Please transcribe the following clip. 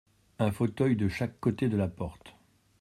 Un fauteuil de chaque côté de la porte.